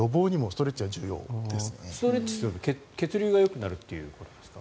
ストレッチすると血流がよくなるということですか？